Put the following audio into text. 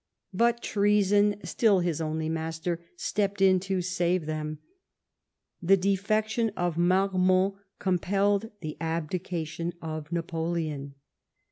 But treason, " still his only master," stepped in to save them. Tlie de fection of Marmont compelled the abdication of Napoleon.